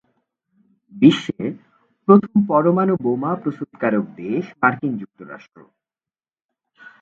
বিশ্বে প্রথম পরমাণু বোমা প্রস্তুতকারক দেশ মার্কিন যুক্তরাষ্ট্র।